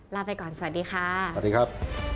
ลาไปก่อนสวัสดีค่ะสวัสดีครับ